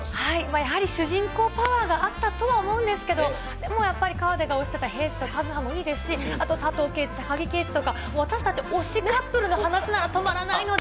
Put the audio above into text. やはり主人公パワーがあったとは思うんですけれども、でもやっぱり河出が推してた平次と和葉もいいですし、あと佐藤刑事、高木刑事とかも私たち推しカップルの話なら止まらないので。